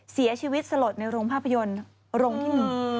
เสียชีวิตสลดในโรงภาพยนตร์โรงที่๑